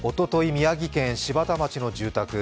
宮城県柴田町の住宅。